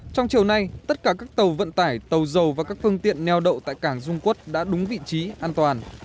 trong chiều nay tất cả các tàu vận tải tàu dầu và các phương tiện neo đậu tại cảng dung quốc đã đúng vị trí an toàn